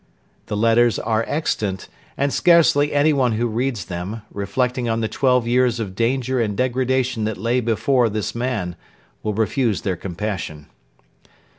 The letters are extant, and scarcely anyone who reads them, reflecting on the twelve years of danger and degradation that lay before this man, will refuse their compassion.